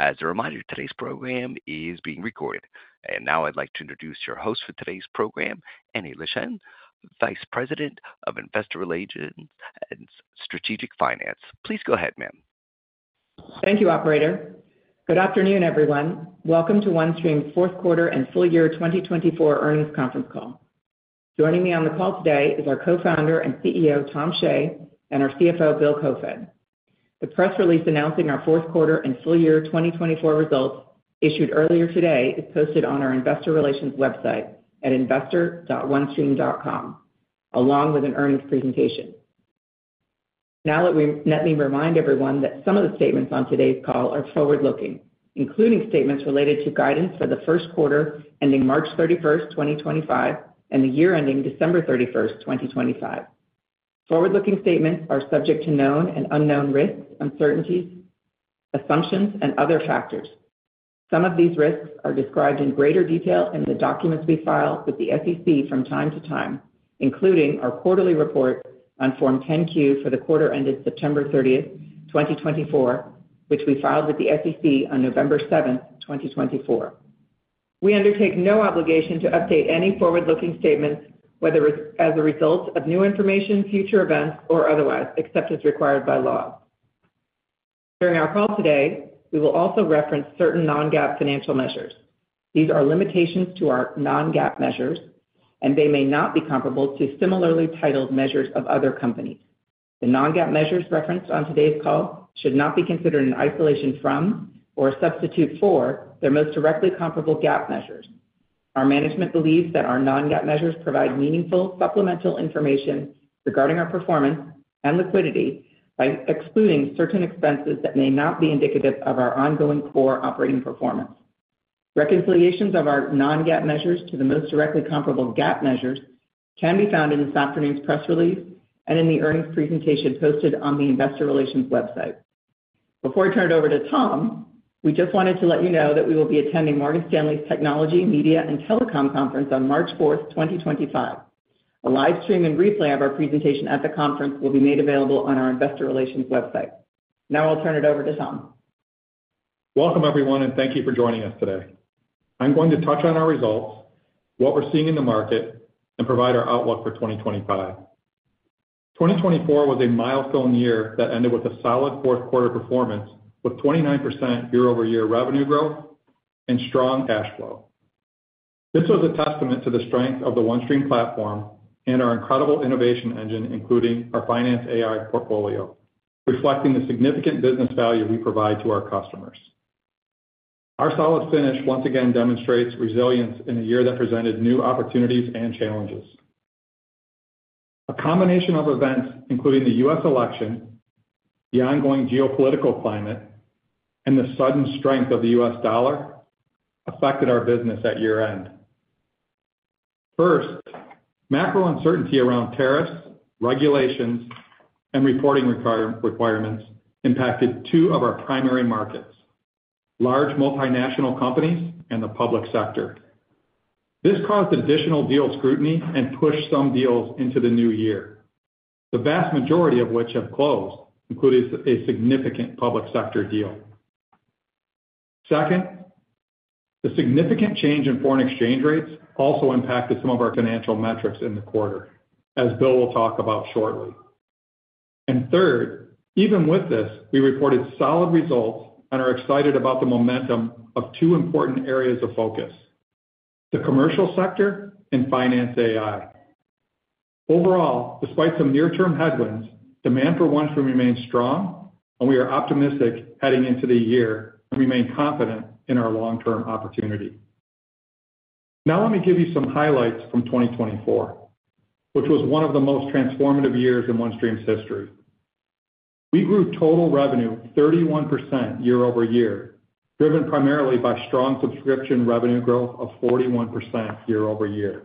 As a reminder, today's program is being recorded. And now I'd like to introduce your host for today's program, Annie Leschin, Vice President of Investor Relations and Strategic Finance. Please go ahead, ma'am. Thank you, Operator. Good afternoon, everyone. Welcome to OneStream's Fourth Quarter and Full Year 2024 Earnings Conference Call. Joining me on the call today is our Co-founder and CEO, Tom Shea, and our CFO, Bill Koefoed. The press release announcing our fourth quarter and Full Year 2024 results, issued earlier today, is posted on our Investor Relations website at investor.onestream.com, along with an earnings presentation. Now let me remind everyone that some of the statements on today's call are forward-looking, including statements related to guidance for the first quarter ending March 31st, 2025, and the year ending December 31st, 2025. Forward-looking statements are subject to known and unknown risks, uncertainties, assumptions, and other factors. Some of these risks are described in greater detail in the documents we file with the SEC from time to time, including our quarterly report on Form 10-Q for the quarter ended September 30th, 2024, which we filed with the SEC on November 7th, 2024. We undertake no obligation to update any forward-looking statements as a result of new information, future events, or otherwise, except as required by law. During our call today, we will also reference certain non-GAAP financial measures. These are limitations to our non-GAAP measures, and they may not be comparable to similarly titled measures of other companies. The non-GAAP measures referenced on today's call should not be considered in isolation from or a substitute for their most directly comparable GAAP measures. Our management believes that our non-GAAP measures provide meaningful supplemental information regarding our performance and liquidity by excluding certain expenses that may not be indicative of our ongoing core operating performance. Reconciliations of our non-GAAP measures to the most directly comparable GAAP measures can be found in this afternoon's press release and in the earnings presentation posted on the Investor Relations website. Before I turn it over to Tom, we just wanted to let you know that we will be attending Morgan Stanley's Technology, Media, and Telecom Conference on March 4th, 2025. A live stream and replay of our presentation at the conference will be made available on our Investor Relations website. Now I'll turn it over to Tom. Welcome, everyone, and thank you for joining us today. I'm going to touch on our results, what we're seeing in the market, and provide our outlook for 2025. 2024 was a milestone year that ended with a solid fourth quarter performance with 29% year-over-year revenue growth and strong cash flow. This was a testament to the strength of the OneStream platform and our incredible innovation engine, including our finance AI portfolio, reflecting the significant business value we provide to our customers. Our solid finish once again demonstrates resilience in a year that presented new opportunities and challenges. A combination of events, including the U.S. election, the ongoing geopolitical climate, and the sudden strength of the U.S. dollar, affected our business at year-end. First, macro uncertainty around tariffs, regulations, and reporting requirements impacted two of our primary markets: large multinational companies and the public sector. This caused additional deal scrutiny and pushed some deals into the new year, the vast majority of which have closed, including a significant public sector deal. Second, the significant change in foreign exchange rates also impacted some of our financial metrics in the quarter, as Bill will talk about shortly. And third, even with this, we reported solid results and are excited about the momentum of two important areas of focus: the commercial sector and finance AI. Overall, despite some near-term headwinds, demand for OneStream remains strong, and we are optimistic heading into the year and remain confident in our long-term opportunity. Now let me give you some highlights from 2024, which was one of the most transformative years in OneStream's history. We grew total revenue 31% year-over-year, driven primarily by strong subscription revenue growth of 41% year-over-year.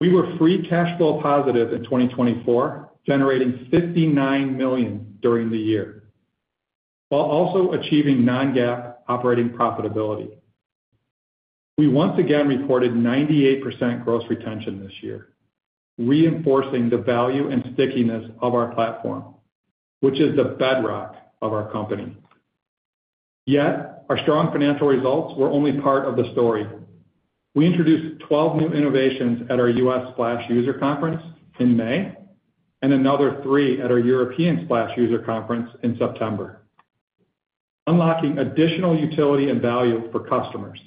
We were free cash flow positive in 2024, generating $59 million during the year, while also achieving non-GAAP operating profitability. We once again reported 98% gross retention this year, reinforcing the value and stickiness of our platform, which is the bedrock of our company. Yet, our strong financial results were only part of the story. We introduced 12 new innovations at our U.S. Splash User Conference in May and another three at our European Splash User Conference in September, unlocking additional utility and value for customers,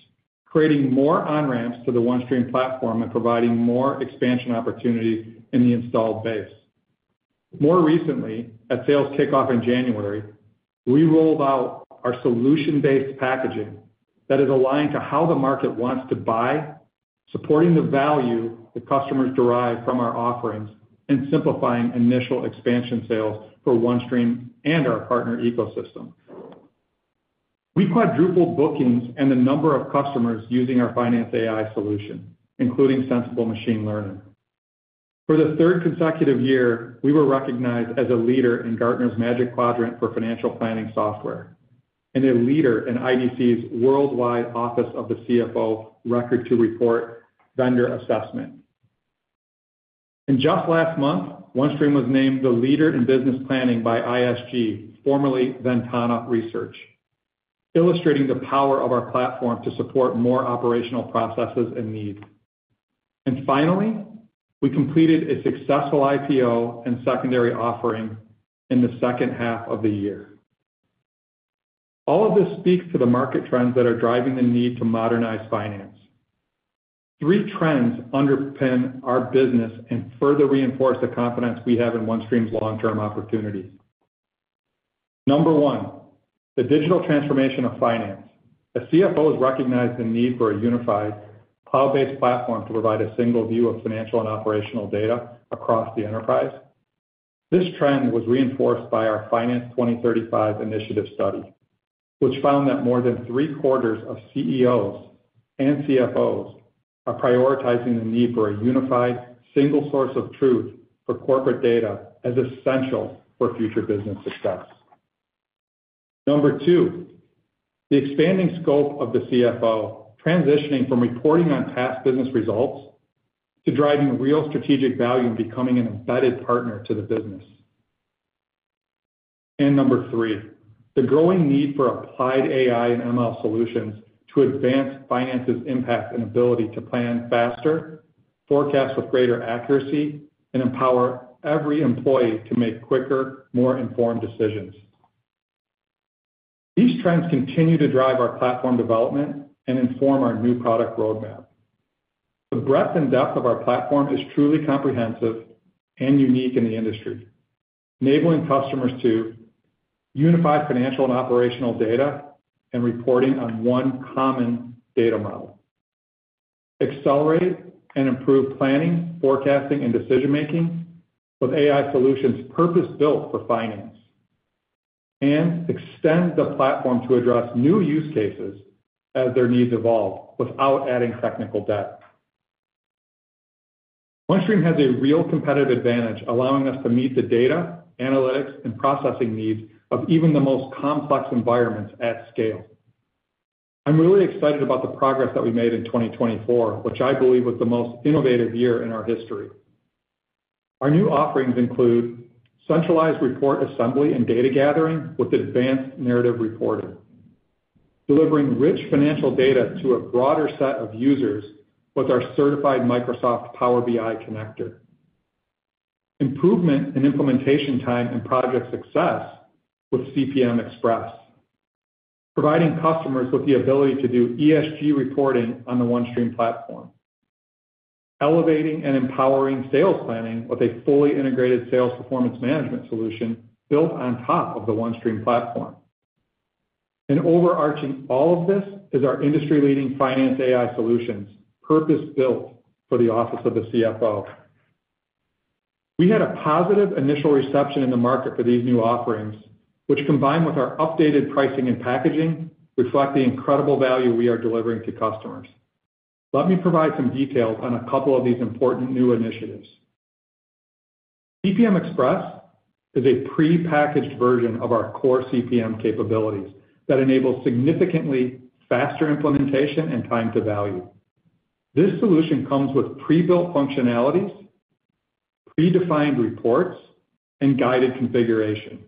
creating more on-ramps to the OneStream platform and providing more expansion opportunity in the installed base. More recently, at sales kickoff in January, we rolled out our solution-based packaging that is aligned to how the market wants to buy, supporting the value that customers derive from our offerings and simplifying initial expansion sales for OneStream and our partner ecosystem. We quadrupled bookings and the number of customers using our finance AI solution, including Sensible Machine Learning. For the third consecutive year, we were recognized as a leader in Gartner's Magic Quadrant for Financial Planning Software and a leader in IDC's Worldwide Office of the CFO Record-to-Report vendor assessment. Just last month, OneStream was named the leader in Business Planning by ISG, formerly Ventana Research, illustrating the power of our platform to support more operational processes and needs. Finally, we completed a successful IPO and secondary offering in the second half of the year. All of this speaks to the market trends that are driving the need to modernize finance. Three trends underpin our business and further reinforce the confidence we have in OneStream's long-term opportunities. Number one, the digital transformation of finance. The CFOs recognized the need for a unified, cloud-based platform to provide a single view of financial and operational data across the enterprise. This trend was reinforced by our Finance 2035 Initiative study, which found that more than three quarters of CEOs and CFOs are prioritizing the need for a unified, single source of truth for corporate data as essential for future business success. Number two, the expanding scope of the CFO, transitioning from reporting on past business results to driving real strategic value and becoming an embedded partner to the business, and number three, the growing need for applied AI and ML solutions to advance finances' impact and ability to plan faster, forecast with greater accuracy, and empower every employee to make quicker, more informed decisions. These trends continue to drive our platform development and inform our new product roadmap. The breadth and depth of our platform is truly comprehensive and unique in the industry, enabling customers to unify financial and operational data and reporting on one common data model, accelerate and improve planning, forecasting, and decision-making with AI solutions purpose-built for finance, and extend the platform to address new use cases as their needs evolve without adding technical debt. OneStream has a real competitive advantage, allowing us to meet the data, analytics, and processing needs of even the most complex environments at scale. I'm really excited about the progress that we made in 2024, which I believe was the most innovative year in our history. Our new offerings include centralized report assembly and data gathering with advanced narrative reporting, delivering rich financial data to a broader set of users with our certified Microsoft Power BI connector, improvement in implementation time and project success with CPM Express, providing customers with the ability to do ESG reporting on the OneStream platform, elevating and empowering sales planning with a fully integrated Sales Performance Managemnt solution built on top of the OneStream platform, and overarching all of this is our industry-leading finance AI solutions, purpose-built for the Office of the CFO. We had a positive initial reception in the market for these new offerings, which, combined with our updated pricing and packaging, reflect the incredible value we are delivering to customers. Let me provide some details on a couple of these important new initiatives. CPM Express is a pre-packaged version of our core CPM capabilities that enables significantly faster implementation and time to value. This solution comes with pre-built functionalities, pre-defined reports, and guided configuration.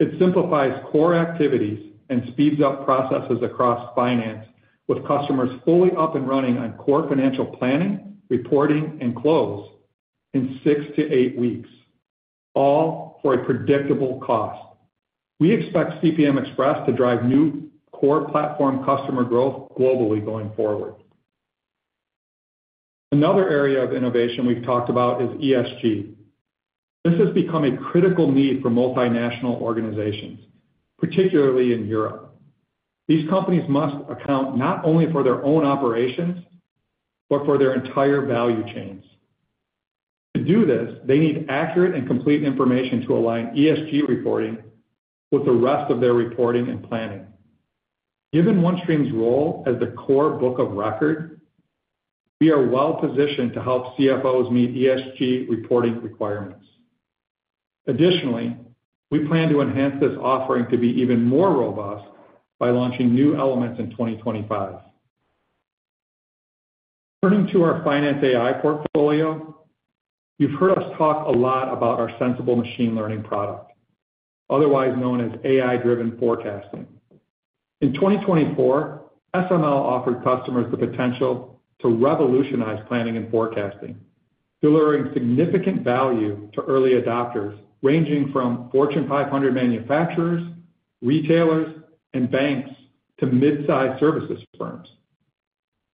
It simplifies core activities and speeds up processes across finance, with customers fully up and running on core financial planning, reporting, and close in six to eight weeks, all for a predictable cost. We expect CPM Express to drive new core platform customer growth globally going forward. Another area of innovation we've talked about is ESG. This has become a critical need for multinational organizations, particularly in Europe. These companies must account not only for their own operations, but for their entire value chains. To do this, they need accurate and complete information to align ESG reporting with the rest of their reporting and planning. Given OneStream's role as the core book of record, we are well-positioned to help CFOs meet ESG reporting requirements. Additionally, we plan to enhance this offering to be even more robust by launching new elements in 2025. Turning to our finance AI portfolio, you've heard us talk a lot about our sensible machine learning product, otherwise known as AI-driven forecasting. In 2024, SML offered customers the potential to revolutionize planning and forecasting, delivering significant value to early adopters ranging from Fortune 500 manufacturers, retailers, and banks to mid-size services firms.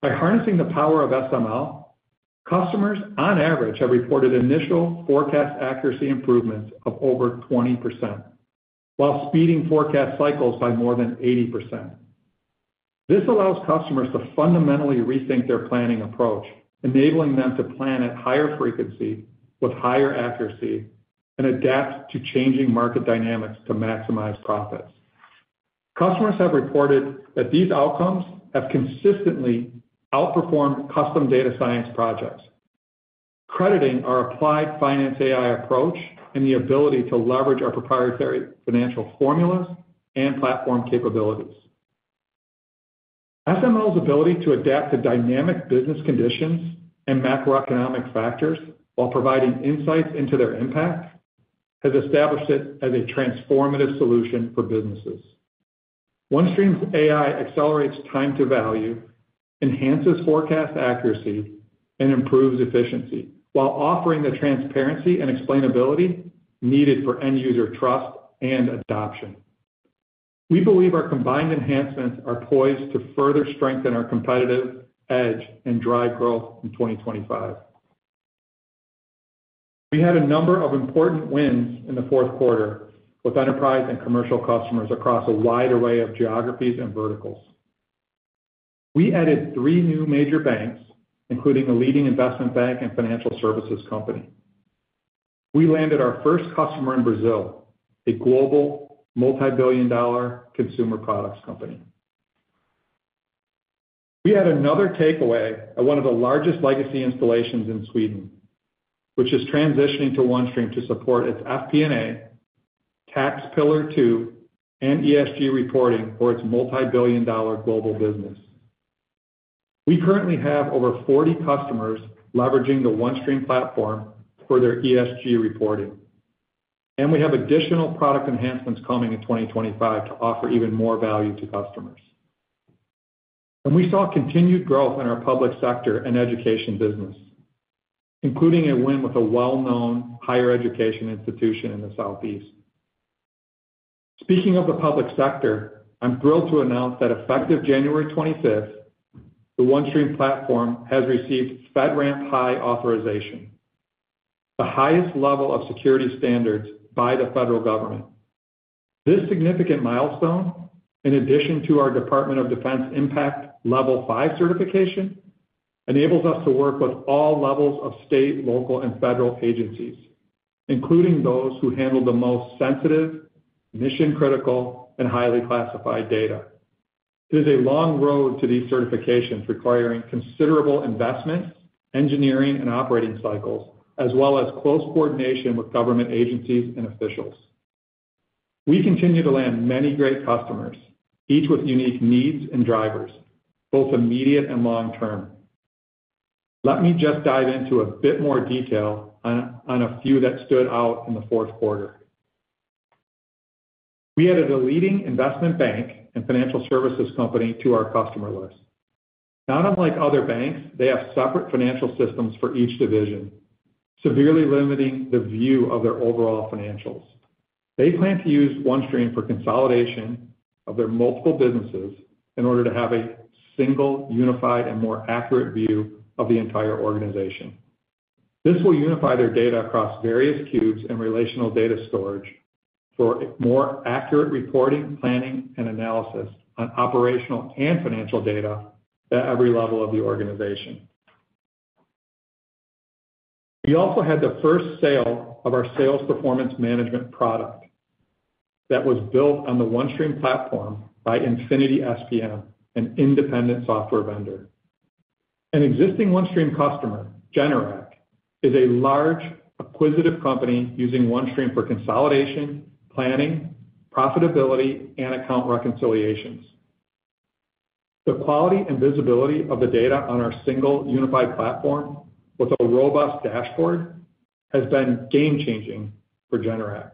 By harnessing the power of SML, customers on average have reported initial forecast accuracy improvements of over 20%, while speeding forecast cycles by more than 80%. This allows customers to fundamentally rethink their planning approach, enabling them to plan at higher frequency with higher accuracy and adapt to changing market dynamics to maximize profits. Customers have reported that these outcomes have consistently outperformed custom data science projects, crediting our applied finance AI approach and the ability to leverage our proprietary financial formulas and platform capabilities. SML's ability to adapt to dynamic business conditions and macroeconomic factors while providing insights into their impact has established it as a transformative solution for businesses. OneStream's AI accelerates time to value, enhances forecast accuracy, and improves efficiency while offering the transparency and explainability needed for end-user trust and adoption. We believe our combined enhancements are poised to further strengthen our competitive edge and drive growth in 2025. We had a number of important wins in the fourth quarter with enterprise and commercial customers across a wide array of geographies and verticals. We added three new major banks, including a leading investment bank and financial services company. We landed our first customer in Brazil, a global multi-billion dollar consumer products company. We had another takeaway at one of the largest legacy installations in Sweden, which is transitioning to OneStream to support its FP&A, Tax Pillar Two, and ESG reporting for its multi-billion dollar global business. We currently have over 40 customers leveraging the OneStream platform for their ESG reporting, and we have additional product enhancements coming in 2025 to offer even more value to customers. We saw continued growth in our public sector and education business, including a win with a well-known higher education institution in the Southeast. Speaking of the public sector, I'm thrilled to announce that effective January 25th, the OneStream platform has received FedRAMP High authorization, the highest level of security standards by the federal government. This significant milestone, in addition to our Department of Defense Impact Level 5 certification, enables us to work with all levels of state, local, and federal agencies, including those who handle the most sensitive, mission-critical, and highly classified data. It is a long road to these certifications requiring considerable investment, engineering, and operating cycles, as well as close coordination with government agencies and officials. We continue to land many great customers, each with unique needs and drivers, both immediate and long-term. Let me just dive into a bit more detail on a few that stood out in the fourth quarter. We added a leading investment bank and financial services company to our customer list. Not unlike other banks, they have separate financial systems for each division, severely limiting the view of their overall financials. They plan to use OneStream for consolidation of their multiple businesses in order to have a single, unified, and more accurate view of the entire organization. This will unify their data across various cubes and relational data storage for more accurate reporting, planning, and analysis on operational and financial data at every level of the organization. We also had the first sale of our Sales Performance Managemnt product that was built on the OneStream platform by InfinitySPM, an independent software vendor. An existing OneStream customer, Generac, is a large acquisitive company using OneStream for consolidation, planning, profitability, and account reconciliations. The quality and visibility of the data on our single unified platform with a robust dashboard has been game-changing for Generac,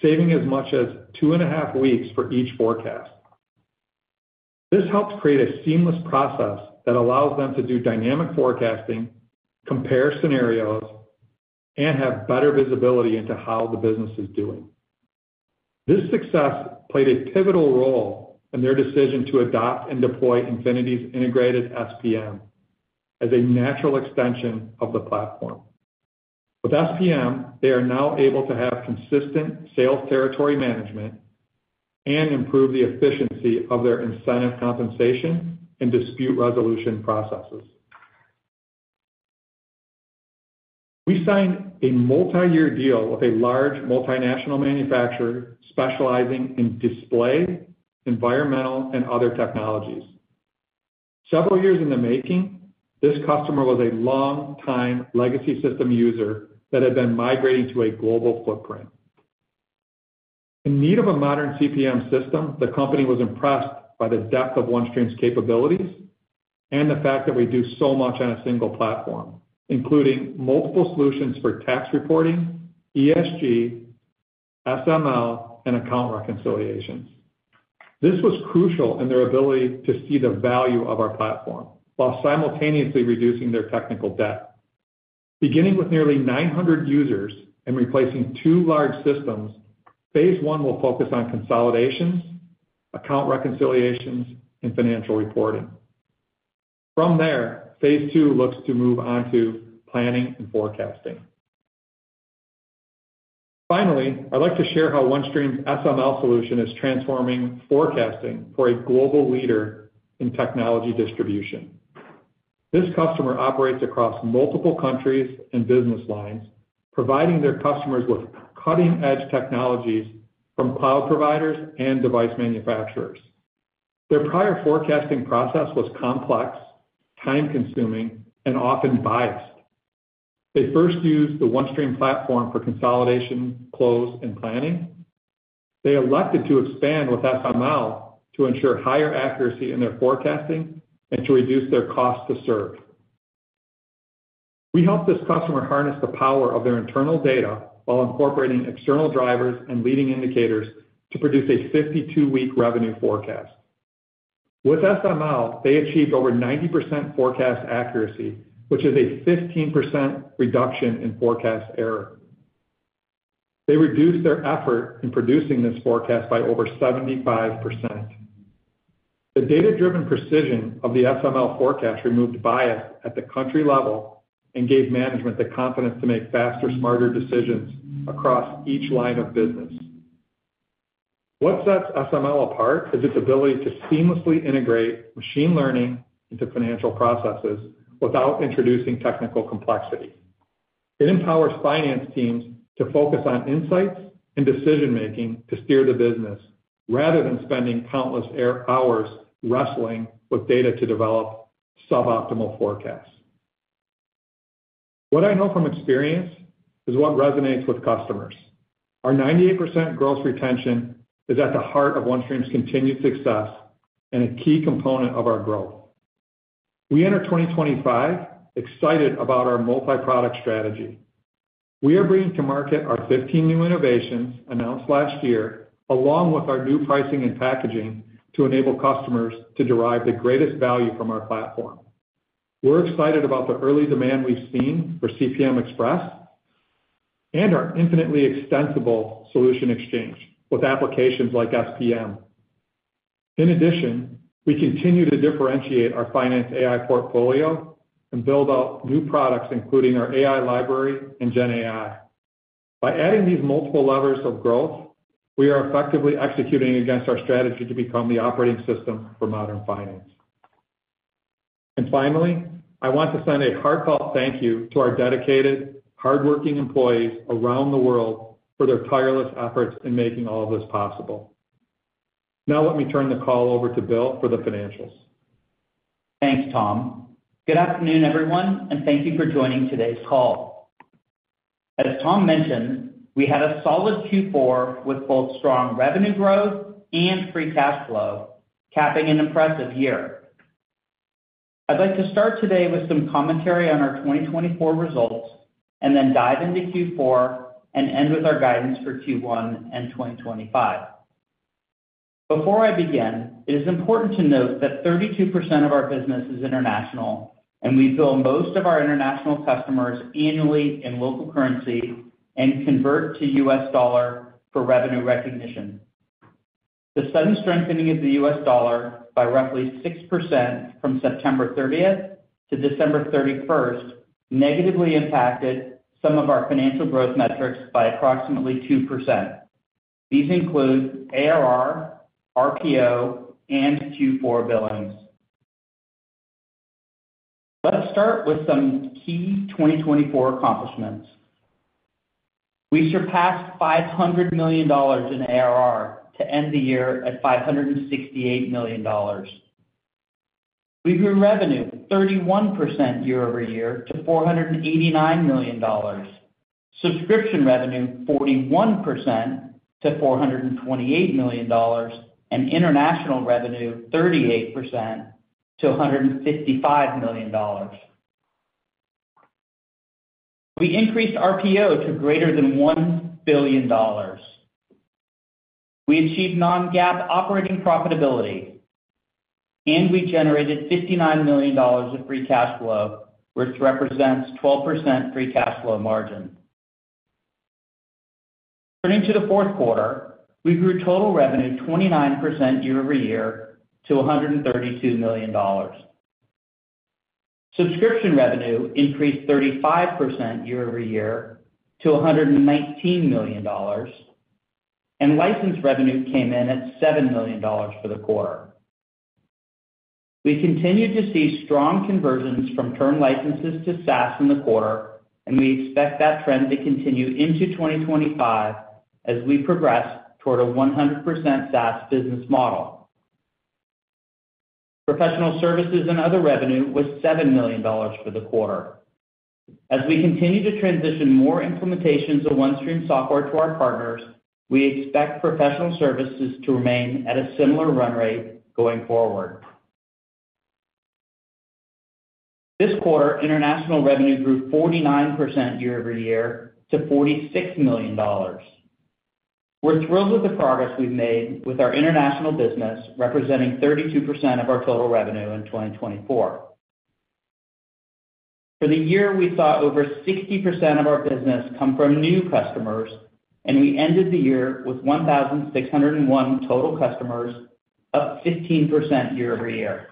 saving as much as two and a half weeks for each forecast. This helps create a seamless process that allows them to do dynamic forecasting, compare scenarios, and have better visibility into how the business is doing. This success played a pivotal role in their decision to adopt and deploy Infinity's integrated SPM as a natural extension of the platform. With SPM, they are now able to have consistent sales territory management and improve the efficiency of their incentive compensation and dispute resolution processes. We signed a multi-year deal with a large multinational manufacturer specializing in display, environmental, and other technologies. Several years in the making, this customer was a long-time legacy system user that had been migrating to a global footprint. In need of a modern CPM system, the company was impressed by the depth of OneStream's capabilities and the fact that we do so much on a single platform, including multiple solutions for tax reporting, ESG, SML, and account reconciliations. This was crucial in their ability to see the value of our platform while simultaneously reducing their technical debt. Beginning with nearly 900 users and replacing two large systems, phase one will focus on consolidations, account reconciliations, and financial reporting. From there, phase two looks to move on to planning and forecasting. Finally, I'd like to share how OneStream's SML solution is transforming forecasting for a global leader in technology distribution. This customer operates across multiple countries and business lines, providing their customers with cutting-edge technologies from cloud providers and device manufacturers. Their prior forecasting process was complex, time-consuming, and often biased. They first used the OneStream platform for consolidation, close, and planning. They elected to expand with SML to ensure higher accuracy in their forecasting and to reduce their cost to serve. We helped this customer harness the power of their internal data while incorporating external drivers and leading indicators to produce a 52-week revenue forecast. With SML, they achieved over 90% forecast accuracy, which is a 15% reduction in forecast error. They reduced their effort in producing this forecast by over 75%. The data-driven precision of the SML forecast removed bias at the country level and gave management the confidence to make faster, smarter decisions across each line of business. What sets SML apart is its ability to seamlessly integrate machine learning into financial processes without introducing technical complexity. It empowers finance teams to focus on insights and decision-making to steer the business rather than spending countless hours wrestling with data to develop suboptimal forecasts. What I know from experience is what resonates with customers. Our 98% gross retention is at the heart of OneStream's continued success and a key component of our growth. We enter 2025 excited about our multi-product strategy. We are bringing to market our 15 new innovations announced last year, along with our new pricing and packaging to enable customers to derive the greatest value from our platform. We're excited about the early demand we've seen for CPM Express and our infinitely extensible Solution Exchange with applications like SPM. In addition, we continue to differentiate our finance AI portfolio and build out new products, including our AI Library and GenAI. By adding these multiple levers of growth, we are effectively executing against our strategy to become the operating system for modern finance. And finally, I want to send a heartfelt thank you to our dedicated, hardworking employees around the world for their tireless efforts in making all of this possible. Now, let me turn the call over to Bill for the financials. Thanks, Tom. Good afternoon, everyone, and thank you for joining today's call. As Tom mentioned, we had a solid Q4 with both strong revenue growth and free cash flow, capping an impressive year. I'd like to start today with some commentary on our 2024 results and then dive into Q4 and end with our guidance for Q1 and 2025. Before I begin, it is important to note that 32% of our business is international, and we bill most of our international customers annually in local currency and convert to U.S. dollar for revenue recognition. The sudden strengthening of the U.S. dollar by roughly 6% from September 30th to December 31st negatively impacted some of our financial growth metrics by approximately 2%. These include ARR, RPO, and Q4 billings. Let's start with some key 2024 accomplishments. We surpassed $500 million in ARR to end the year at $568 million. We grew revenue 31% year-over-year to $489 million, subscription revenue 41% to $428 million, and international revenue 38%$155 million. We increased RPO to greater than $1 billion. We achieved non-GAAP operating profitability, and we generated $59 million of free cash flow, which represents 12% free cash flow margin. Turning to the fourth quarter, we grew total revenue 29% year-over-year to $132 million. Subscription revenue increased 35% year-over-year to $119 million, and license revenue came in at $7 million for the quarter. We continue to see strong conversions from term licenses to SaaS in the quarter, and we expect that trend to continue into 2025 as we progress toward a 100% SaaS business model. Professional services and other revenue was $7 million for the quarter. As we continue to transition more implementations of OneStream software to our partners, we expect professional services to remain at a similar run rate going forward. This quarter, international revenue grew 49% year-over-year to $46 million. We're thrilled with the progress we've made with our international business representing 32% of our total revenue in 2024. For the year, we saw over 60% of our business come from new customers, and we ended the year with 1,601 total customers, up 15% year-over-year.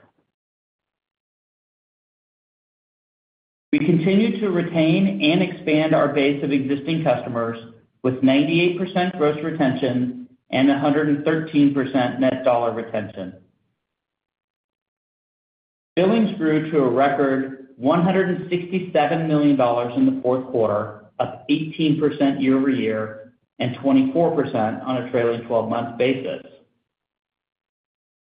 We continue to retain and expand our base of existing customers with 98% gross retention and 113% net dollar retention. Billings grew to a record $167 million in the fourth quarter, up 18% year-over-year and 24% on a trailing 12-month basis.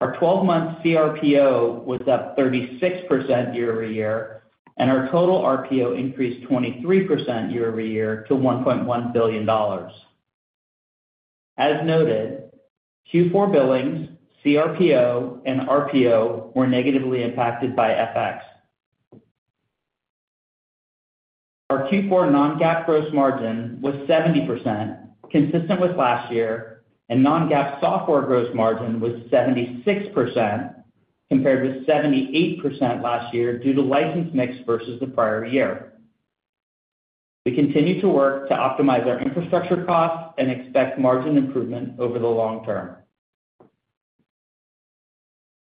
Our 12-month CRPO was up 36% year-over-year, and our total RPO increased 23% year-over-year to $1.1 billion. As noted, Q4 billings, CRPO, and RPO were negatively impacted by FX. Our Q4 non-GAAP gross margin was 70%, consistent with last year, and non-GAAP software gross margin was 76% compared with 78% last year due to license mix versus the prior year. We continue to work to optimize our infrastructure costs and expect margin improvement over the long term.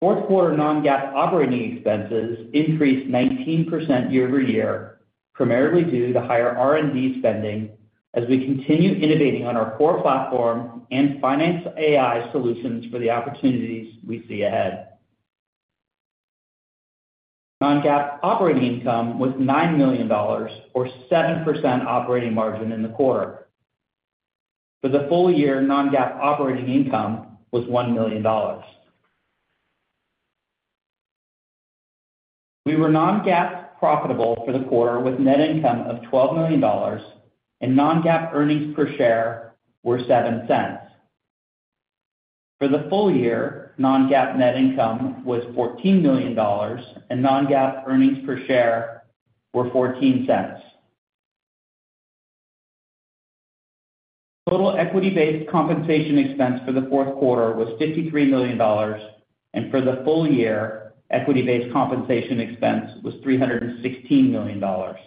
Fourth quarter non-GAAP operating expenses increased 19% year-over-year, primarily due to higher R&D spending as we continue innovating on our core platform and finance AI solutions for the opportunities we see ahead. Non-GAAP operating income was $9 million, or 7% operating margin in the quarter. For the Full Year, non-GAAP operating income was $1 million. We were non-GAAP profitable for the quarter with net income of $12 million, and non-GAAP earnings per share were $0.07. For the Full Year, non-GAAP net income was $14 million, and non-GAAP earnings per share were $0.14. Total equity-based compensation expense for the fourth quarter was $53 million, and for the Full Year, equity-based compensation expense was $316 million. For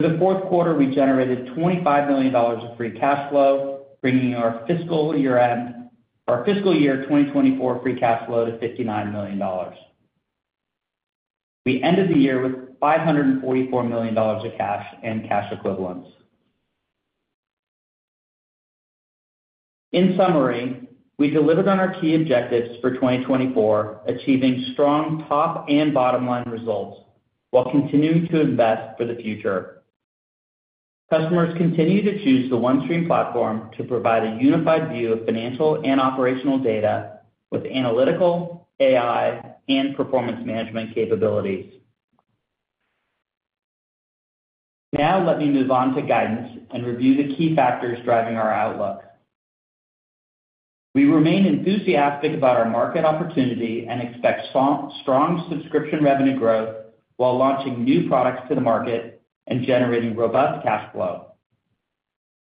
the fourth quarter, we generated $25 million of free cash flow, bringing our fiscal year 2024 free cash flow to $59 million. We ended the year with $544 million of cash and cash equivalents. In summary, we delivered on our key objectives for 2024, achieving strong top and bottom line results while continuing to invest for the future. Customers continue to choose the OneStream platform to provide a unified view of financial and operational data with analytical, AI, and performance management capabilities. Now, let me move on to guidance and review the key factors driving our outlook. We remain enthusiastic about our market opportunity and expect strong subscription revenue growth while launching new products to the market and generating robust cash flow.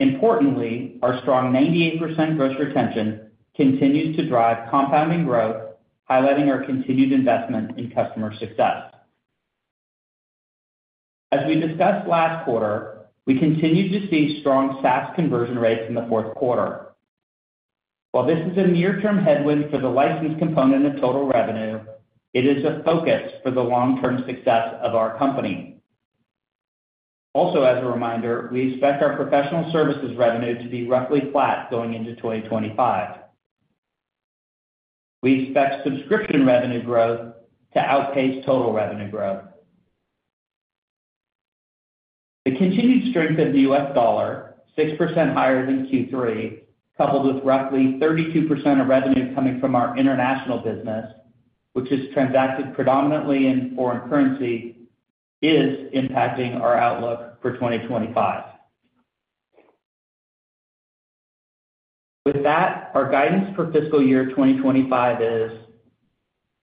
Importantly, our strong 98% gross retention continues to drive compounding growth, highlighting our continued investment in customer success. As we discussed last quarter, we continued to see strong SaaS conversion rates in the fourth quarter. While this is a near-term headwind for the license component of total revenue, it is a focus for the long-term success of our company. Also, as a reminder, we expect our professional services revenue to be roughly flat going into 2025. We expect subscription revenue growth to outpace total revenue growth. The continued strength of the U.S. dollar, 6% higher than Q3, coupled with roughly 32% of revenue coming from our international business, which is transacted predominantly in foreign currency, is impacting our outlook for 2025. With that, our guidance for fiscal year 2025 is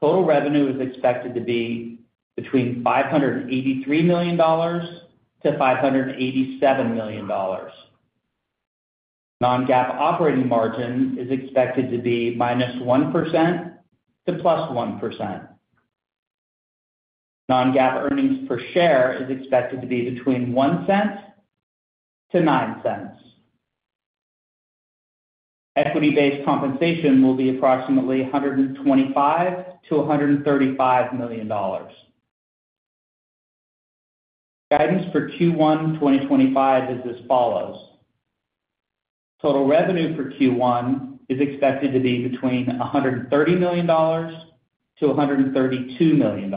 total revenue is expected to be between $583-$587 million. Non-GAAP operating margin is expected to be -1%-+1%. Non-GAAP earnings per share is expected to be between $0.01-$0.09. Equity-based compensation will be approximately $125-$135 million. Guidance for Q1 2025 is as follows. Total revenue for Q1 is expected to be between $130-$132 million.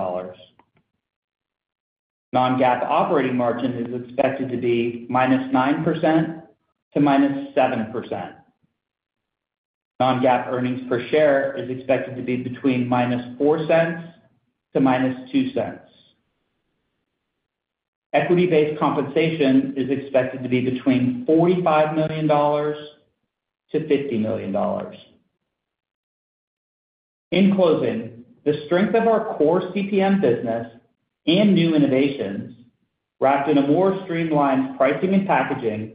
Non-GAAP operating margin is expected to be -9% to -7%. Non-GAAP earnings per share is expected to be between -$0.04 to -$0.02. Equity-based compensation is expected to be between $45-$50 million. In closing, the strength of our core CPM business and new innovations wrapped in a more streamlined pricing and packaging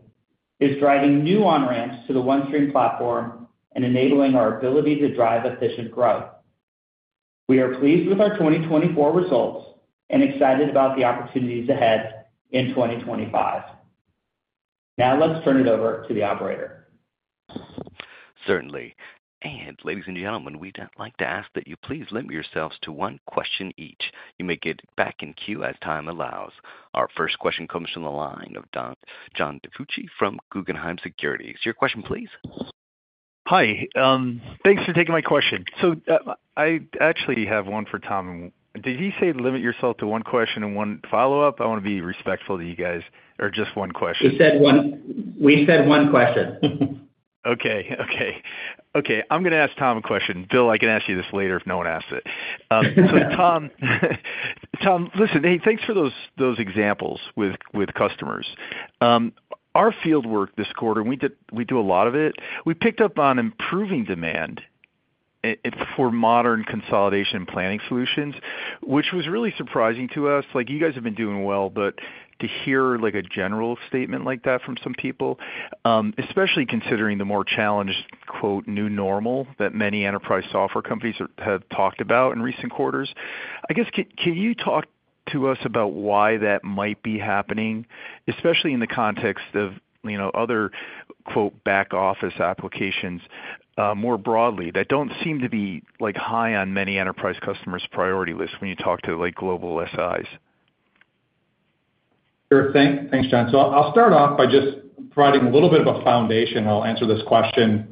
is driving new on-ramps to the OneStream platform and enabling our ability to drive efficient growth. We are pleased with our 2024 results and excited about the opportunities ahead in 2025. Now, let's turn it over to the operator. Certainly. And ladies and gentlemen, we'd like to ask that you please limit yourselves to one question each. You may get back in queue as time allows. Our first question comes from the line of John DiFucci from Guggenheim Securities. Your question, please. Hi. Thanks for taking my question. So I actually have one for Tom. Did he say limit yourself to one question and one follow-up? I want to be respectful to you guys. Or just one question? He said one. We said one question. Okay. Okay. Okay. I'm going to ask Tom a question. Bill, I can ask you this later if no one asks it. So Tom, listen, hey, thanks for those examples with customers. Our fieldwork this quarter, we do a lot of it. We picked up on improving demand for modern consolidation planning solutions, which was really surprising to us. You guys have been doing well, but to hear a general statement like that from some people, especially considering the more challenged "new normal" that many enterprise software companies have talked about in recent quarters, I guess, can you talk to us about why that might be happening, especially in the context of other "back office" applications more broadly that don't seem to be high on many enterprise customers' priority lists when you talk to global SIs? Sure. Thanks, John. So I'll start off by just providing a little bit of a foundation. I'll answer this question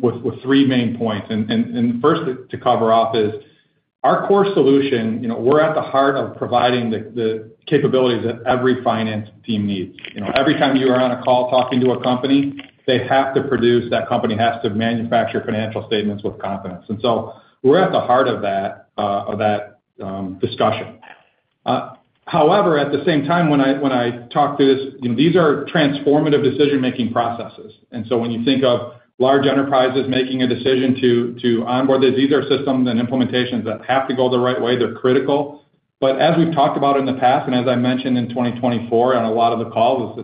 with three main points, and first, to cover off, is our core solution. We're at the heart of providing the capabilities that every finance team needs. Every time you are on a call talking to a company, they have to produce. That company has to manufacture financial statements with confidence, so we're at the heart of that discussion. However, at the same time, when I talk through this, these are transformative decision-making processes, so when you think of large enterprises making a decision to onboard these, these are systems and implementations that have to go the right way. They're critical, but as we've talked about in the past, and as I mentioned in 2024 on a lot of the calls,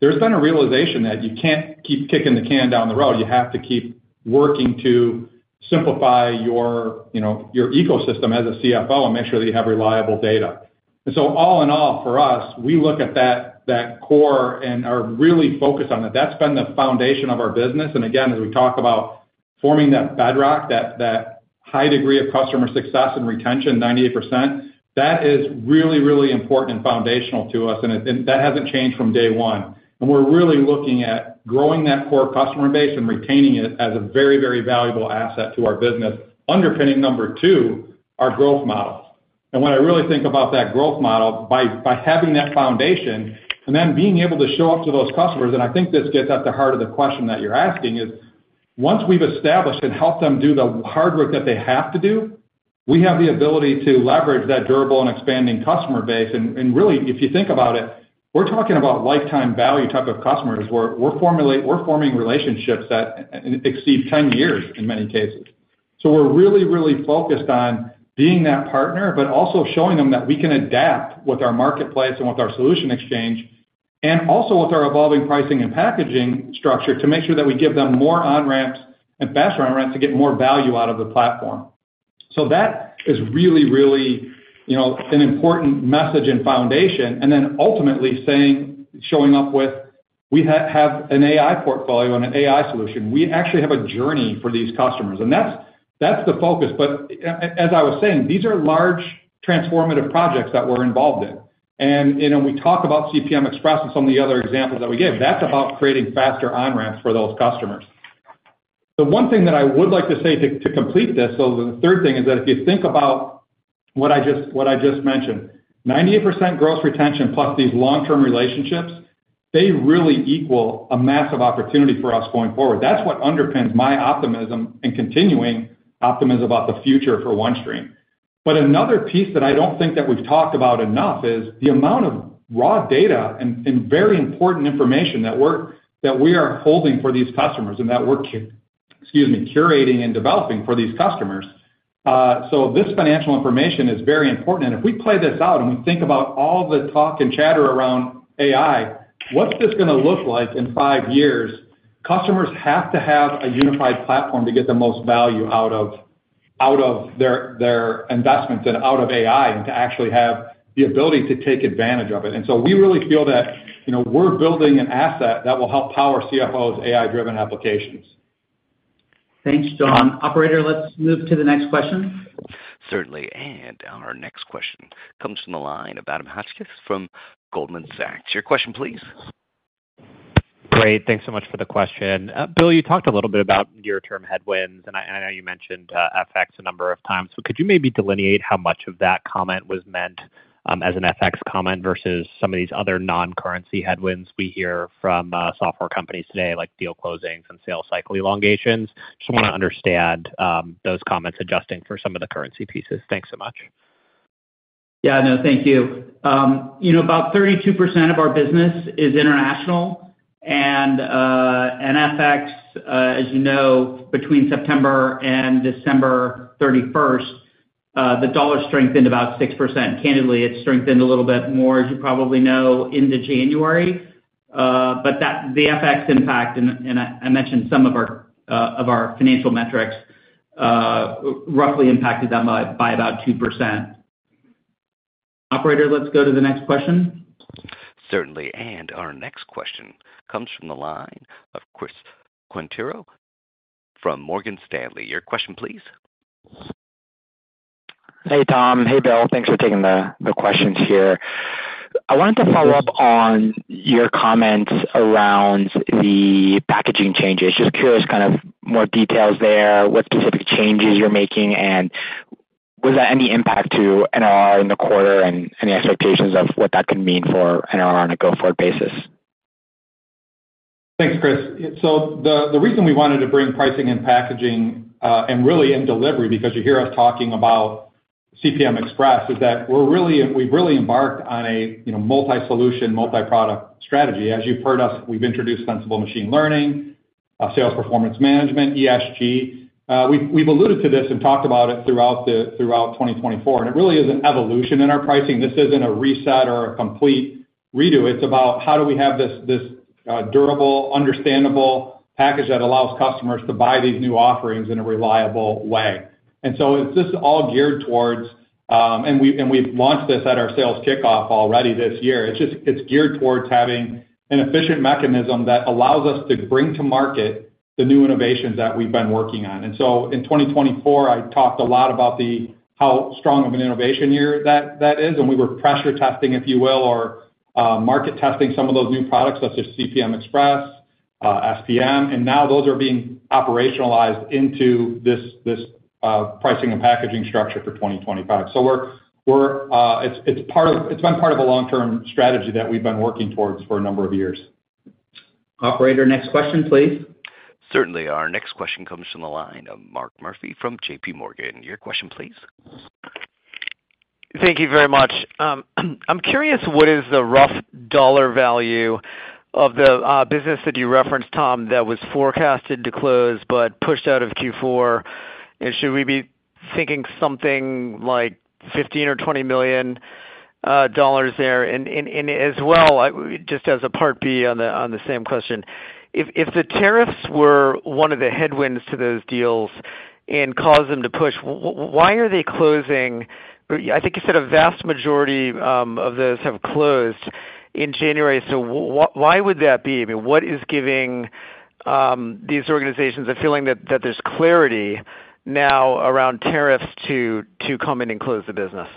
there's been a realization that you can't keep kicking the can down the road. You have to keep working to simplify your ecosystem as a CFO and make sure that you have reliable data. And so all in all, for us, we look at that core and are really focused on that. That's been the foundation of our business. And again, as we talk about forming that bedrock, that high degree of customer success and retention, 98%, that is really, really important and foundational to us. And that hasn't changed from day one. And we're really looking at growing that core customer base and retaining it as a very, very valuable asset to our business, underpinning number two, our growth model. And when I really think about that growth model, by having that foundation and then being able to show up to those customers, and I think this gets at the heart of the question that you're asking, is once we've established and helped them do the hard work that they have to do, we have the ability to leverage that durable and expanding customer base. And really, if you think about it, we're talking about lifetime value type of customers. We're forming relationships that exceed 10 years in many cases. So we're really, really focused on being that partner, but also showing them that we can adapt with our marketplace and with our Solution Exchange and also with our evolving pricing and packaging structure to make sure that we give them more on-ramps and faster on-ramps to get more value out of the platform. So that is really, really an important message and foundation. And then ultimately showing up with, "We have an AI portfolio and an AI solution. We actually have a journey for these customers." And that's the focus. But as I was saying, these are large transformative projects that we're involved in. And when we talk about CPM Express and some of the other examples that we gave, that's about creating faster on-ramps for those customers. The one thing that I would like to say to complete this, so the third thing is that if you think about what I just mentioned, 98% gross retention plus these long-term relationships, they really equal a massive opportunity for us going forward. That's what underpins my optimism and continuing optimism about the future for OneStream. But another piece that I don't think that we've talked about enough is the amount of raw data and very important information that we are holding for these customers and that we're curating and developing for these customers. So this financial information is very important. And if we play this out and we think about all the talk and chatter around AI, what's this going to look like in five years? Customers have to have a unified platform to get the most value out of their investments and out of AI and to actually have the ability to take advantage of it. And so we really feel that we're building an asset that will help power CFOs' AI-driven applications.T thanks, John. Operator, let's move to the next question. Certainly. And our next question comes from the line of Adam Hotchkiss from Goldman Sachs. Your question, please. Great. Thanks so much for the question. Bill, you talked a little bit about near-term headwinds, and I know you mentioned FX a number of times. But could you maybe delineate how much of that comment was meant as an FX comment versus some of these other non-currency headwinds we hear from software companies today, like deal closings and sales cycle elongations? Just want to understand those comments adjusting for some of the currency pieces. Thanks so much. Yeah. No, thank you. About 32% of our business is international. And FX, as you know, between September and December 31st, the dollar strengthened about 6%. Candidly, it strengthened a little bit more, as you probably know, into January. But the FX impact, and I mentioned some of our financial metrics, roughly impacted them by about 2%. Operator, let's go to the next question. Certainly. Our next question comes from the line of Chris Quintero from Morgan Stanley. Your question, please. Hey, Tom. Hey, Bill. Thanks for taking the questions here. I wanted to follow up on your comments around the packaging changes. Just curious kind of more details there, what specific changes you're making, and was that any impact to NRR in the quarter and any expectations of what that could mean for NRR on a go-forward basis? Thanks, Chris. The reason we wanted to bring pricing and packaging and really in delivery, because you hear us talking about CPM Express, is that we've really embarked on a multi-solution, multi-product strategy. As you've heard us, we've introduced Sensible Machine Learning, Sales Performance Management, ESG. We've alluded to this and talked about it throughout 2024. It really is an evolution in our pricing. This isn't a reset or a complete redo. It's about how do we have this durable, understandable package that allows customers to buy these new offerings in a reliable way. And so it's just all geared towards—and we've launched this at our sales kickoff already this year—it's geared towards having an efficient mechanism that allows us to bring to market the new innovations that we've been working on. And so in 2024, I talked a lot about how strong of an innovation year that is. And we were pressure testing, if you will, or market testing some of those new products such as CPM Express, SPM. And now those are being operationalized into this pricing and packaging structure for 2025. So it's been part of a long-term strategy that we've been working towards for a number of years. Operator, next question, please. Certainly. Our next question comes from the line of Mark Murphy from JPMorgan. Your question, please. Thank you very much. I'm curious, what is the rough dollar value of the business that you referenced, Tom, that was forecasted to close but pushed out of Q4? And should we be thinking something like $15 million or $20 million there? And as well, just as a part B on the same question, if the tariffs were one of the headwinds to those deals and caused them to push, why are they closing? I think you said a vast majority of those have closed in January. So why would that be? I mean, what is giving these organizations a feeling that there's clarity now around tariffs to come in and close the business?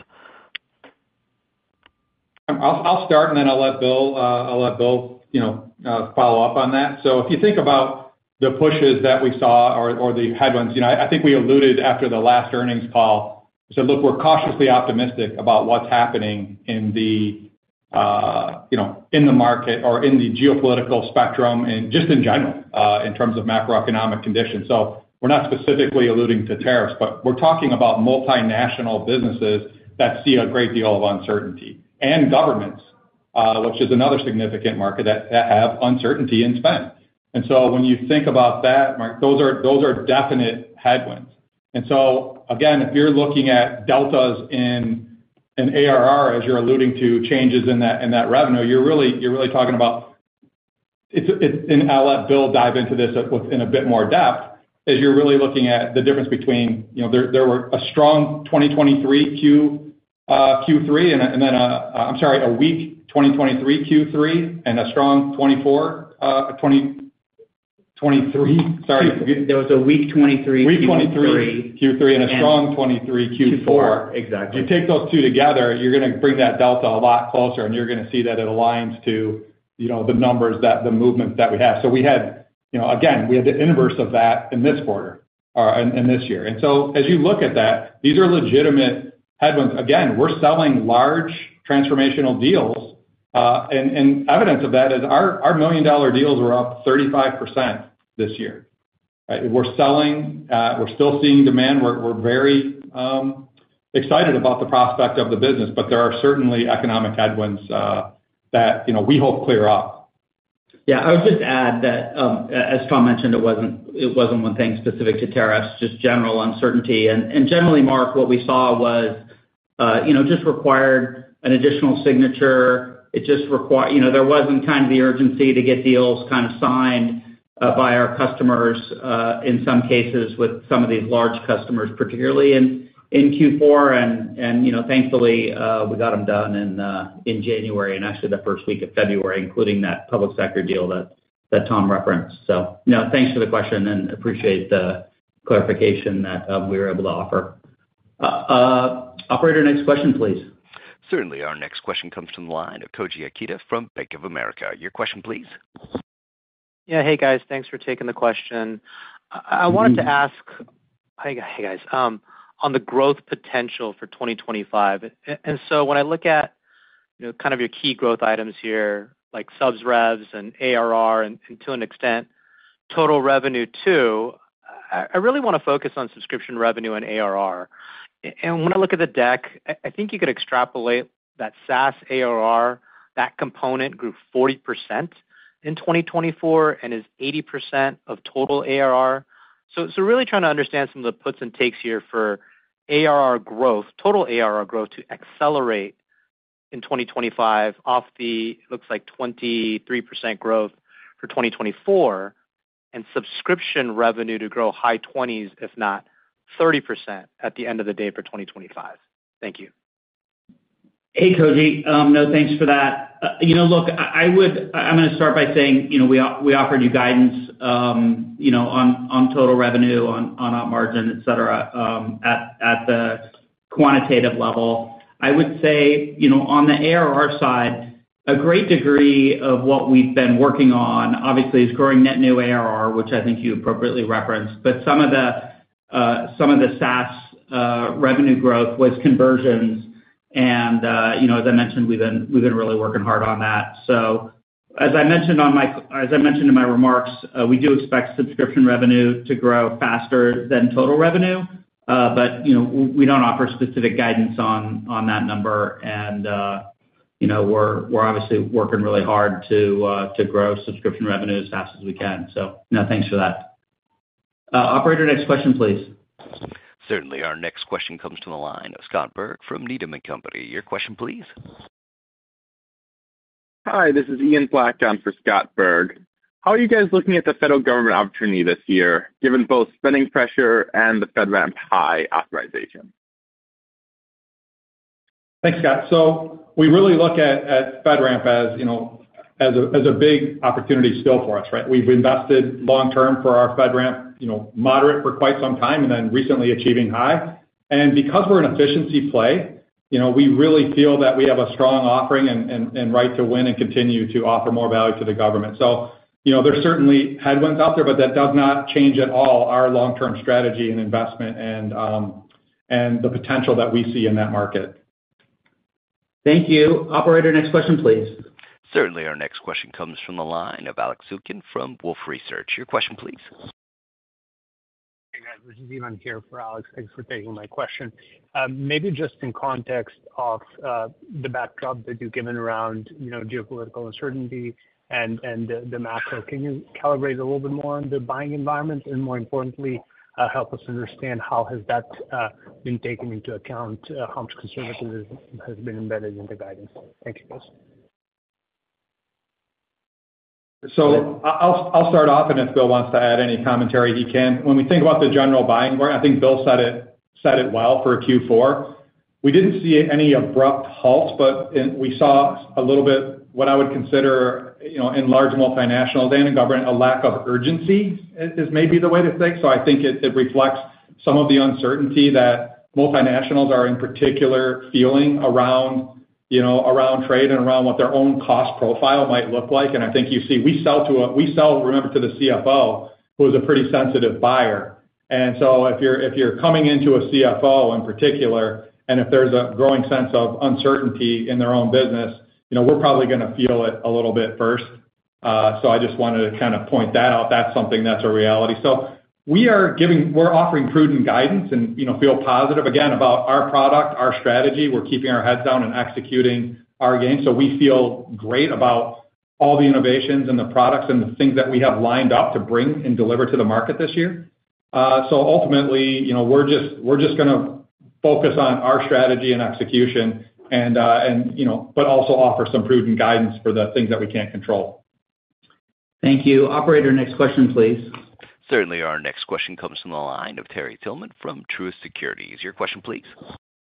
I'll start, and then I'll let Bill follow up on that. So if you think about the pushes that we saw or the headwinds, I think we alluded after the last earnings call. We said, "Look, we're cautiously optimistic about what's happening in the market or in the geopolitical spectrum and just in general in terms of macroeconomic conditions." So we're not specifically alluding to tariffs, but we're talking about multinational businesses that see a great deal of uncertainty and governments, which is another significant market that have uncertainty in spend. And so when you think about that, those are definite headwinds. And so again, if you're looking at deltas in an ARR as you're alluding to changes in that revenue, you're really talking about, and I'll let Bill dive into this within a bit more depth, as you're really looking at the difference between there were a strong 2023 Q3 and then a, I'm sorry, a weak 2023 Q3 and a strong 2023 Q4. Sorry. There was a weak 2023 Q3 and a strong 2023 Q4. Exactly. If you take those two together, you're going to bring that delta a lot closer, and you're going to see that it aligns to the numbers, the movements that we have. So again, we had the inverse of that in this quarter and this year. And so as you look at that, these are legitimate headwinds. Again, we're selling large transformational deals. And evidence of that is our million-dollar deals were up 35% this year. We're selling. We're still seeing demand. We're very excited about the prospect of the business, but there are certainly economic headwinds that we hope clear up. Yeah. I would just add that, as Tom mentioned, it wasn't one thing specific to tariffs, just general uncertainty. And generally, Mark, what we saw was it just required an additional signature. It just required, there wasn't kind of the urgency to get deals kind of signed by our customers in some cases with some of these large customers, particularly in Q4. And thankfully, we got them done in January and actually the first week of February, including that public sector deal that Tom referenced. So thanks for the question, and appreciate the clarification that we were able to offer. Operator, next question, please. Certainly. Our next question comes from the line of Koji Ikeda from Bank of America. Your question, please. Yeah. Hey, guys. Thanks for taking the question. I wanted to ask, [crossralk] hey, guys. On the growth potential for 2025, and so when I look at kind of your key growth items here, like subs reps and ARR and to an extent total revenue too, I really want to focus on subscription revenue and ARR. And when I look at the deck, I think you could extrapolate that SaaS ARR, that component grew 40% in 2024 and is 80% of total ARR. So really trying to understand some of the puts and takes here for ARR growth, total ARR growth to accelerate in 2025 off the, it looks like, 23% growth for 2024 and subscription revenue to grow high 20s%, if not 30% at the end of the day for 2025. Thank you. Hey, Koji. No, thanks for that. Look, I'm going to start by saying we offered you guidance on total revenue, on gross margin, etc., at the quantitative level. I would say on the ARR side, a great degree of what we've been working on, obviously, is growing net new ARR, which I think you appropriately referenced. But some of the SaaS revenue growth was conversions. And as I mentioned, we've been really working hard on that. So as I mentioned in my remarks, we do expect subscription revenue to grow faster than total revenue. But we don't offer specific guidance on that number. And we're obviously working really hard to grow subscription revenue as fast as we can. So thanks for that. Operator, next question, please. Certainly. Our next question comes from the line of Scott Berg from Needham & Company. Your question, please. Hi. This is Ian Black for Scott Berg. How are you guys looking at the federal government opportunity this year, given both spending pressure and the FedRAMP High authorization? Thanks, Scott. So we really look at FedRAMP as a big opportunity still for us, right? We've invested long-term for our FedRAMP Moderate for quite some time and then recently achieving High. And because we're an efficiency play, we really feel that we have a strong offering and right to win and continue to offer more value to the government. So there's certainly headwinds out there, but that does not change at all our long-term strategy and investment and the potential that we see in that market. Thank you. Operator, next question, please. Certainly. Our next question comes from the line of Alex Zukin from Wolfe Research. Your question, please. Hey, guys. This is Ivan Yi for Alex. Thanks for taking my question. Maybe just in context of the backdrop that you've given around geopolitical uncertainty and the macro, can you calibrate a little bit more on the buying environment and, more importantly, help us understand how has that been taken into account, how much conservatism has been embedded in the guidance? Thank you, guys. So I'll start off, and if Bill wants to add any commentary, he can. When we think about the general buying going, I think Bill said it well for Q4. We didn't see any abrupt halt, but we saw a little bit what I would consider in large multinationals and in government, a lack of urgency is maybe the way to think. So I think it reflects some of the uncertainty that multinationals are in particular feeling around trade and around what their own cost profile might look like. And I think you see we sell, remember, to the CFO, who is a pretty sensitive buyer. And so if you're coming into a CFO in particular, and if there's a growing sense of uncertainty in their own business, we're probably going to feel it a little bit first. So I just wanted to kind of point that out. That's something that's a reality. So we're offering prudent guidance and feel positive, again, about our product, our strategy. We're keeping our heads down and executing our game. So we feel great about all the innovations and the products and the things that we have lined up to bring and deliver to the market this year. So ultimately, we're just going to focus on our strategy and execution, but also offer some prudent guidance for the things that we can't control. Thank you. Operator, next question, please. Certainly. Our next question comes from the line of Terry Tillman from Truist Securities. Your question, please.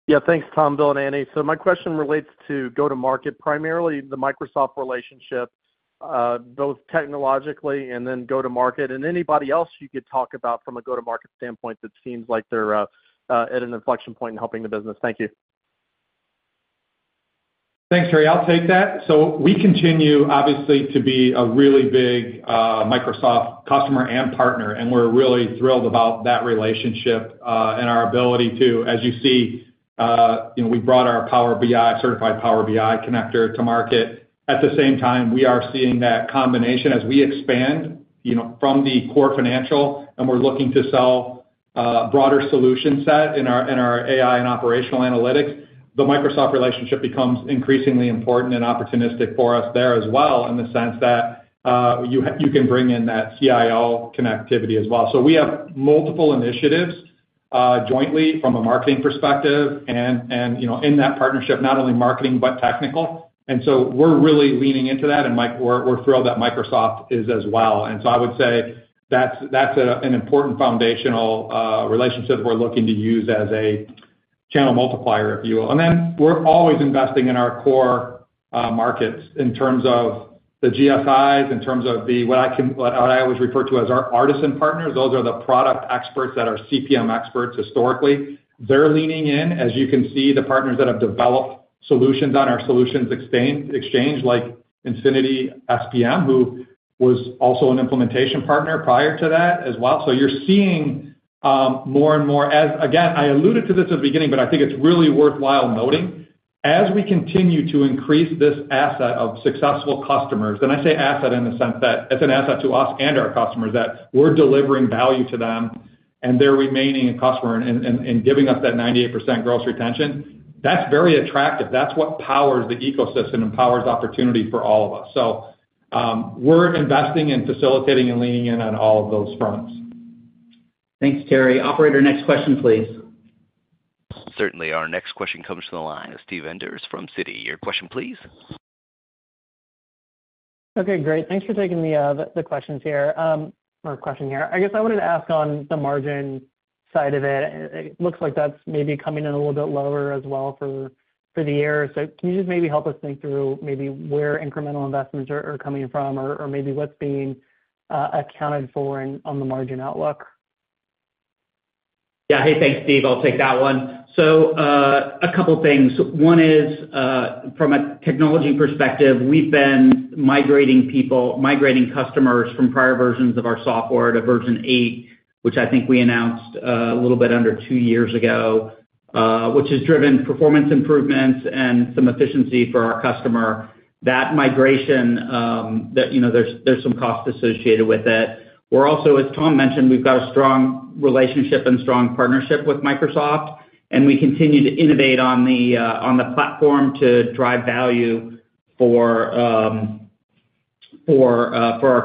Yeah. Thanks, Tom, Bill, and Annie. So my question relates to go-to-market, primarily the Microsoft relationship, both technologically and then go-to-market. And anybody else you could talk about from a go-to-market standpoint that seems like they're at an inflection point in helping the business. Thank you. Thanks, Terry. I'll take that, so we continue, obviously, to be a really big Microsoft customer and partner, and we're really thrilled about that relationship and our ability to, as you see, we brought our Power BI Certified Power BI Connector to market. At the same time, we are seeing that combination as we expand from the core financial, and we're looking to sell a broader solution set in our AI and operational analytics. The Microsoft relationship becomes increasingly important and opportunistic for us there as well in the sense that you can bring in that CIO connectivity as well, so we have multiple initiatives jointly from a marketing perspective and in that partnership, not only marketing but technical, and so we're really leaning into that, and we're thrilled that Microsoft is as well. I would say that's an important foundational relationship that we're looking to use as a channel multiplier, if you will. We're always investing in our core markets in terms of the GSIs, in terms of what I always refer to as our artisan partners. Those are the product experts that are CPM experts historically. They're leaning in, as you can see, the partners that have developed solutions on our Solutions Exchange like InfinitySPM, who was also an implementation partner prior to that as well. You're seeing more and more, again, I alluded to this at the beginning, but I think it's really worthwhile noting, as we continue to increase this asset of successful customers. And I say asset in the sense that it's an asset to us and our customers that we're delivering value to them and they're remaining a customer and giving us that 98% gross retention. That's very attractive. That's what powers the ecosystem and powers opportunity for all of us. So we're investing and facilitating and leaning in on all of those fronts. Thanks, Terry. Operator, next question, please. Certainly. Our next question comes from the line of Steve Enders from Citi. Your question, please. Okay. Great. Thanks for taking the questions here or question here. I guess I wanted to ask on the margin side of it. It looks like that's maybe coming in a little bit lower as well for the year. So can you just maybe help us think through maybe where incremental investments are coming from or maybe what's being accounted for on the margin outlook? Yeah. Hey, thanks, Steve. I'll take that one. So a couple of things. One is, from a technology perspective, we've been migrating people, migrating customers from prior versions of our software to version 8, which I think we announced a little bit under two years ago, which has driven performance improvements and some efficiency for our customer. That migration, there's some cost associated with it. We're also, as Tom mentioned, we've got a strong relationship and strong partnership with Microsoft, and we continue to innovate on the platform to drive value for our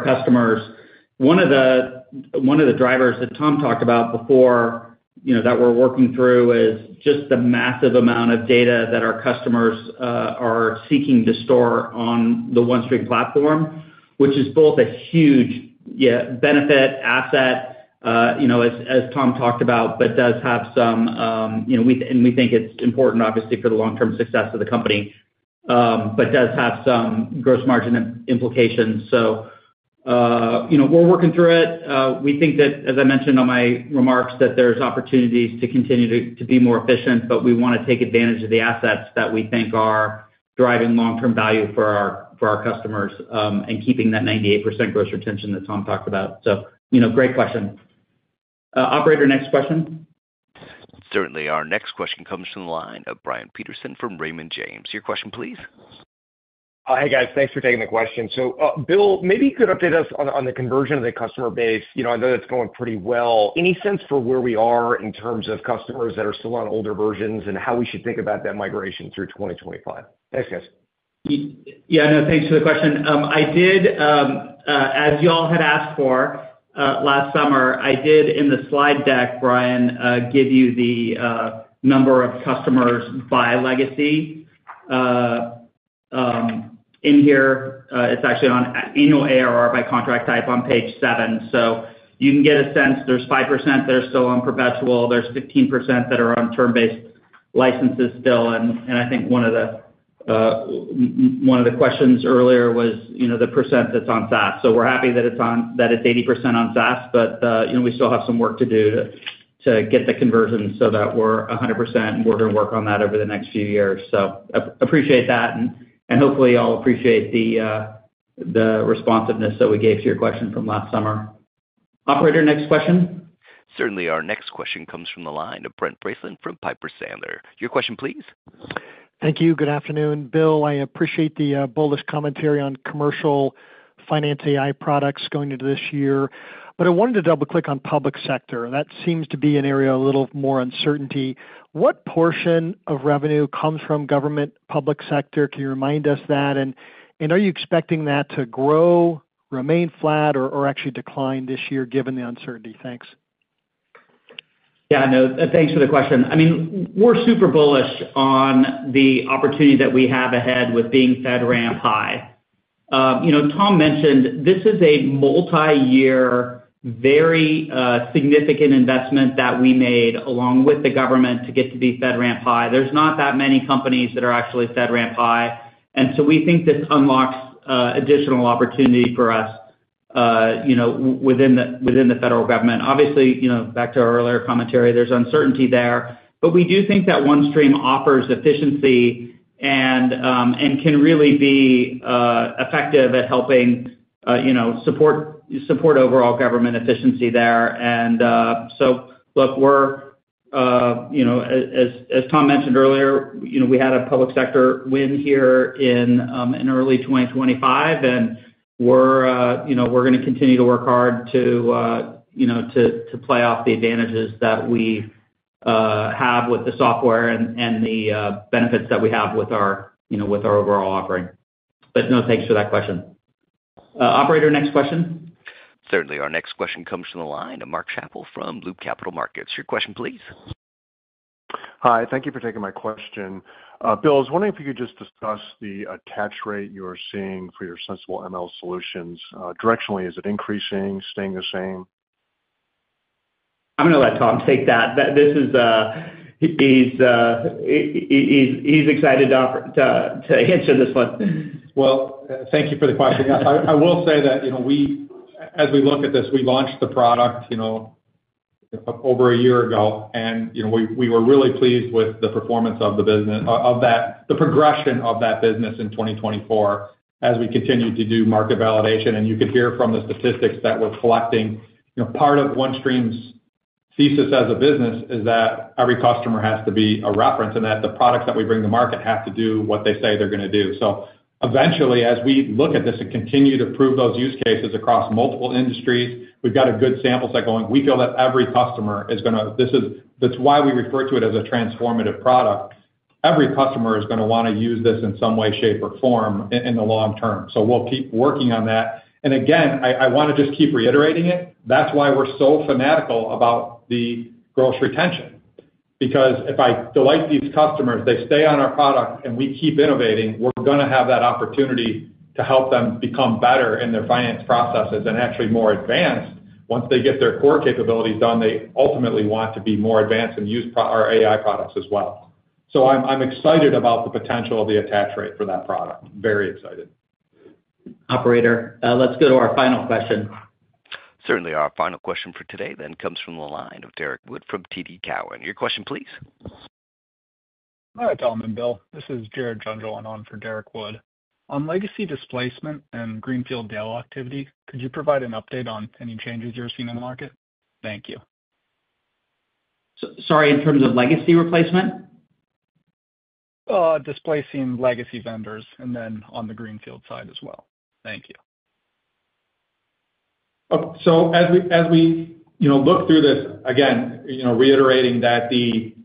customers. One of the drivers that Tom talked about before that we're working through is just the massive amount of data that our customers are seeking to store on the OneStream platform, which is both a huge benefit, asset, as Tom talked about, but does have some, and we think it's important, obviously, for the long-term success of the company, but does have some gross margin implications. So we're working through it. We think that, as I mentioned on my remarks, that there's opportunities to continue to be more efficient, but we want to take advantage of the assets that we think are driving long-term value for our customers and keeping that 98% gross retention that Tom talked about. So great question. Operator, next question. Certainly. Our next question comes from the line of Brian Peterson from Raymond James. Your question, please. Hey, guys. Thanks for taking the question. So, Bill, maybe you could update us on the conversion of the customer base. I know that's going pretty well. Any sense for where we are in terms of customers that are still on older versions and how we should think about that migration through 2025? Thanks, guys. Yeah. No, thanks for the question. As you all had asked for last summer, I did, in the slide deck, Brian, give you the number of customers by legacy in here. It's actually on annual ARR by contract type on page 7. So you can get a sense. There's 5% that are still on perpetual. There's 15% that are on term-based licenses still. And I think one of the questions earlier was the percent that's on SaaS. We're happy that it's 80% on SaaS, but we still have some work to do to get the conversion so that we're 100%, and we're going to work on that over the next few years. So, appreciate that. And hopefully, you all appreciate the responsiveness that we gave to your question from last summer. Operator, next question. Certainly. Our next question comes from the line of Brent Bracelin from Piper Sandler. Your question, please. Thank you. Good afternoon. Bill, I appreciate the boldest commentary on commercial finance AI products going into this year. But I wanted to double-click on public sector. That seems to be an area of a little more uncertainty. What portion of revenue comes from government public sector? Can you remind us that? And are you expecting that to grow, remain flat, or actually decline this year given the uncertainty? Thanks. Yeah. No, thanks for the question. I mean, we're super bullish on the opportunity that we have ahead with being FedRAMP High. Tom mentioned this is a multi-year, very significant investment that we made along with the government to get to be FedRAMP High. There's not that many companies that are actually FedRAMP High. And so we think this unlocks additional opportunity for us within the federal government. Obviously, back to our earlier commentary, there's uncertainty there. But we do think that OneStream offers efficiency and can really be effective at helping support overall government efficiency there. And so, look, we're, as Tom mentioned earlier, we had a public sector win here in early 2025. And we're going to continue to work hard to play off the advantages that we have with the software and the benefits that we have with our overall offering. But no, thanks for that question. Operator, next question. Certainly. Our next question comes from the line of Mark Schappel from Loop Capital Markets. Your question, please. Hi. Thank you for taking my question. Bill, I was wondering if you could just discuss the attach rate you're seeing for your Sensible ML solutions. Directionally, is it increasing, staying the same? I'm going to let Tom take that. He's excited to answer this one. Thank you for the question. I will say that as we look at this, we launched the product over a year ago, and we were really pleased with the performance of the business, the progression of that business in 2024 as we continued to do market validation, and you could hear from the statistics that we're collecting. Part of OneStream's thesis as a business is that every customer has to be a reference and that the products that we bring to market have to do what they say they're going to do. So eventually, as we look at this and continue to prove those use cases across multiple industries, we've got a good sample set going. We feel that every customer is going to, that's why we refer to it as a transformative product. Every customer is going to want to use this in some way, shape, or form in the long term. So we'll keep working on that. And again, I want to just keep reiterating it. That's why we're so fanatical about the gross retention. Because if I delight these customers, they stay on our product, and we keep innovating, we're going to have that opportunity to help them become better in their finance processes and actually more advanced. Once they get their core capabilities done, they ultimately want to be more advanced and use our AI products as well. So I'm excited about the potential of the attach rate for that product. Very excited. Operator, let's go to our final question. Certainly. Our final question for today then comes from the line of Derek Wood from TD Cowen. Your question, please. Hi, Tom and Bill. This is Jared Jungjohann and on for Derek Wood. On legacy displacement and greenfield deal activity, could you provide an update on any changes you're seeing in the market? Thank you. Sorry, in terms of legacy replacement? Displacing legacy vendors and then on the greenfield side as well. Thank you. So as we look through this, again, reiterating that we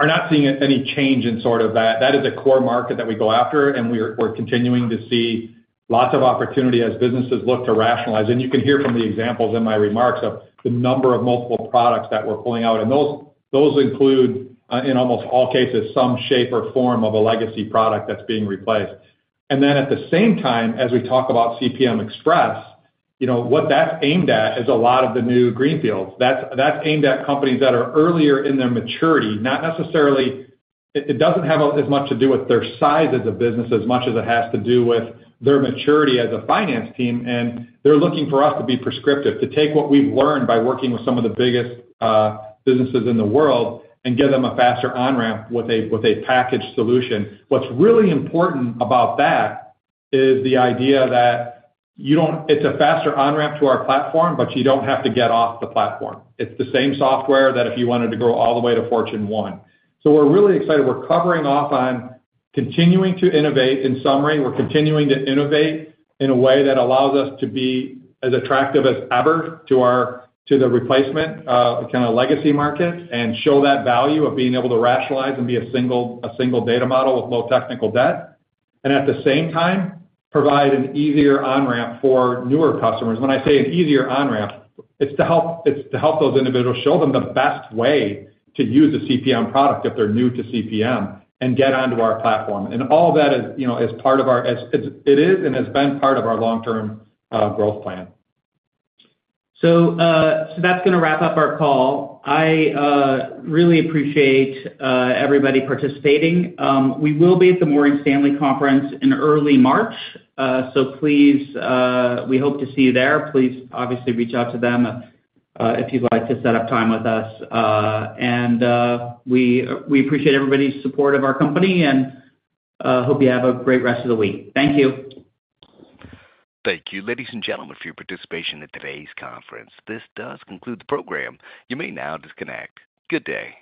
are not seeing any change in sort of that. That is a core market that we go after, and we're continuing to see lots of opportunity as businesses look to rationalize. And you can hear from the examples in my remarks of the number of multiple products that we're pulling out. And those include, in almost all cases, some shape or form of a legacy product that's being replaced. And then at the same time, as we talk about CPM Express, what that's aimed at is a lot of the new greenfields. That's aimed at companies that are earlier in their maturity. It doesn't have as much to do with their size as a business as much as it has to do with their maturity as a finance team. They're looking for us to be prescriptive, to take what we've learned by working with some of the biggest businesses in the world and give them a faster on-ramp with a package solution. What's really important about that is the idea that it's a faster on-ramp to our platform, but you don't have to get off the platform. It's the same software that if you wanted to go all the way to Fortune 1. We're really excited. We're covering off on continuing to innovate. In summary, we're continuing to innovate in a way that allows us to be as attractive as ever to the replacement kind of legacy market and show that value of being able to rationalize and be a single data model with low technical debt. At the same time, provide an easier on-ramp for newer customers. When I say an easier on-ramp, it's to help those individuals, show them the best way to use a CPM product if they're new to CPM and get onto our platform. And all of that is part of our—it is and has been part of our long-term growth plan, so that's going to wrap up our call. I really appreciate everybody participating. We will be at the Morgan Stanley Conference in early March, so we hope to see you there. Please, obviously, reach out to them if you'd like to set up time with us. And we appreciate everybody's support of our company and hope you have a great rest of the week. Thank you. Thank you. Ladies and gentlemen, for your participation in today's conference. This does conclude the program. You may now disconnect. Good day.